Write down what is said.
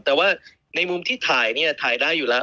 แต่ว่าในมุมที่ถ่ายเนี่ยถ่ายได้อยู่แล้ว